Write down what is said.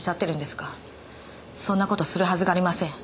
そんな事するはずがありません。